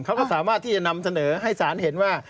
เขาก็สามารถที่จะนำเสนอให้ศาลเห็นว่า